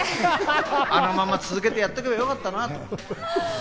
あのまま続けてやっておけばよかったなって。